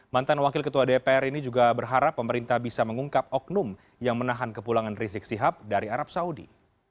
mantan wakil ketua dpr ini juga berharap pemerintah bisa mengungkap oknum yang menahan kepulangan rizik sihab dari arab saudi